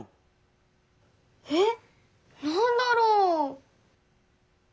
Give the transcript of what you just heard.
えっなんだろう？